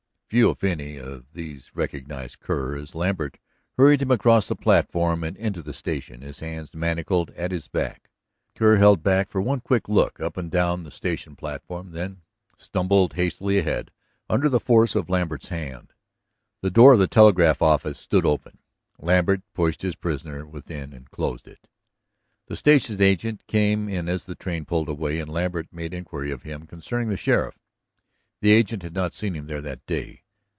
Few, if any, of these recognized Kerr as Lambert hurried him across the platform and into the station, his hands manacled at his back. Kerr held back for one quick look up and down the station platform, then stumbled hastily ahead under the force of Lambert's hand. The door of the telegraph office stood open; Lambert pushed his prisoner within and closed it. The station agent came in as the train pulled away, and Lambert made inquiry of him concerning the sheriff. The agent had not seen him there that day.